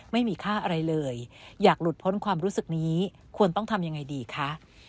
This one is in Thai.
ไม่มีค่าอะไรเลยอยากหลุดพ้นความรู้สึกนี้ควรต้องทำยังไงดีคะ